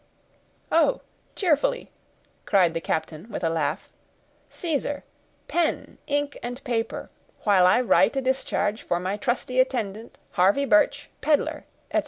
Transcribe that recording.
"Oh! cheerfully," cried the captain, with a laugh. "Caesar! pen, ink, and paper, while I write a discharge for my trusty attendant, Harvey Birch, peddler, etc.